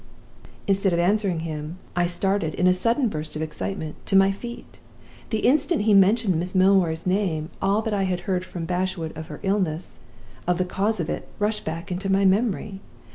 "Instead of answering him, I started, in a sudden burst of excitement, to my feet. The instant he mentioned Miss Milroy's name all that I had heard from Bashwood of her illness, and of the cause of it, rushed back into my memory.